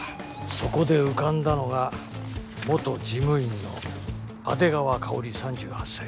そこで浮かんだのが元事務員の阿出川香里３８歳。